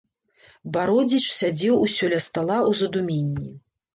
Бародзіч сядзеў усё ля стала ў задуменні.